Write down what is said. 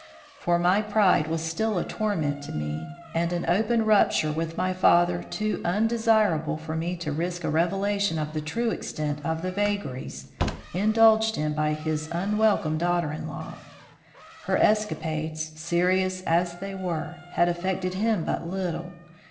For my pride was still a torment to me, and an open rupture with my father too undesirable for me to risk a revelation of the true extent of the vagaries indulged in by his unwelcome daughter in law. Her escapades, serious as they were, had affected him but little.